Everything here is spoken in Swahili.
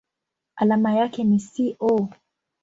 Alama yake ni SiO.